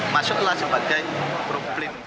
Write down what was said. masuklah sebagai problem